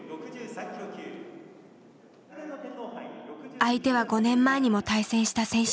相手は５年前にも対戦した選手。